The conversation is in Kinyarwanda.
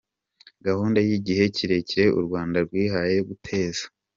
gahunda y’igihe kirekire u Rwanda rwihaye yo guteza